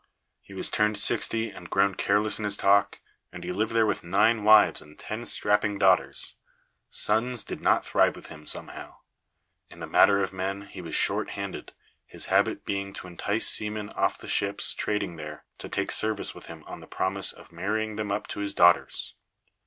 He was turned sixty and grown careless in his talk, and he lived there with nine wives and ten strapping daughters. Sons did not thrive with him, somehow. In the matter of men he was short handed, his habit being to entice seamen off the ships trading there to take service with him on the promise of marrying them up to his daughters.